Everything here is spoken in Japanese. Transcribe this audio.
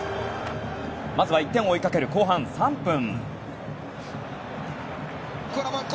まずは１点を追いかける後半３分。